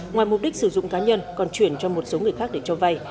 ngoài mục đích sử dụng cá nhân còn chuyển cho một số người khác để cho vay